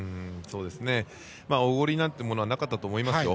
おごりなんてものはなかったと思いますよ。